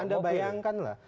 anda bayangkan lah